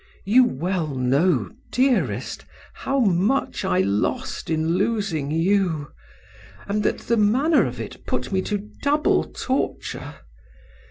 You well know, dearest, how much I lost in losing you, and that the manner of it put me to double torture.